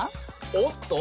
おっと。